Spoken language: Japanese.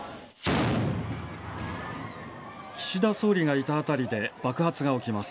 岸田総理がいた辺りで爆発が起きます。